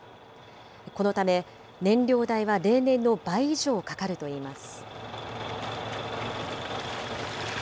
このため、燃料代は例年の倍以上かかるといいます。